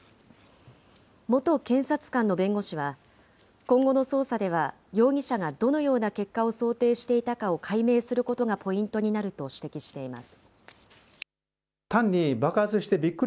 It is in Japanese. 元検察官の弁護士は、今後の捜査では、容疑者がどのような結果を想定していたかを解明することがポイントになると指摘しています。